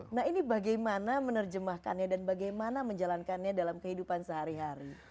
nah ini bagaimana menerjemahkannya dan bagaimana menjalankannya dalam kehidupan sehari hari